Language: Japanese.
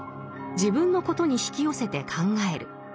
自分のことに引き寄せて考える。